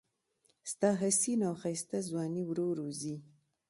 ستا حسینه او ښایسته ځواني ورو ورو ځي